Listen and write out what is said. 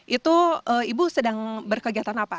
itu ibu sedang berkegiatan apa